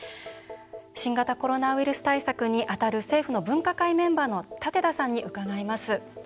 新型コロナウイルス対策に当たる政府の分科会のメンバーの舘田さんに伺います。